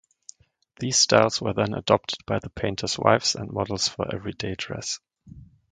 These styles were then adopted by the painters' wives and models for everyday dress.